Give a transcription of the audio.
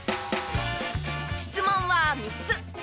質問は３つ。